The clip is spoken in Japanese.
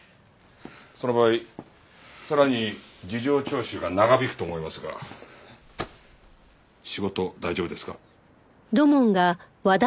その場合さらに事情聴取が長引くと思いますが仕事大丈夫ですか？